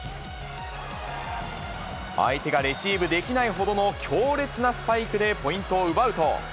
相手がレシーブできないほどの強烈なスパイクでポイントを奪うと。